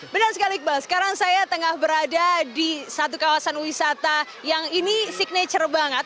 benar sekali iqbal sekarang saya tengah berada di satu kawasan wisata yang ini signature banget